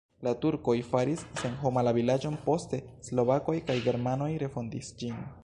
La turkoj faris senhoma la vilaĝon, poste slovakoj kaj germanoj refondis ĝin.